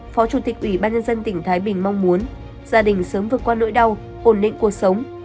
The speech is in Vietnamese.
phó chủ tịch ủy ban nhân dân tỉnh thái bình mong muốn gia đình sớm vượt qua nỗi đau ổn định cuộc sống